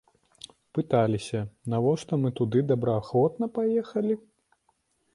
Пыталіся, навошта мы туды добраахвотна паехалі?